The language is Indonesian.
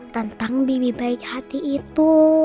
tentang bibi baik hati itu